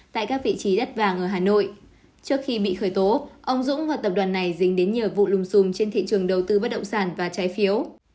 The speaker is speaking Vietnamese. tại các vị trí đất vàng ở hà nội trước khi bị khởi tố ông dũng và tập đoàn này dính đến nhiều vụ lùm xùm trên thị trường đầu tư bất động sản và trái phiếu